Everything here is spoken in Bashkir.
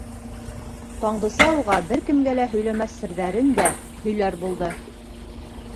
Таңдыса уға бер кемгә лә һөйләмәҫ серҙәрен дә һөйләр булды.